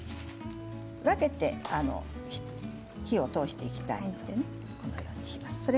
分けて火を通していきたいのでこのようにします。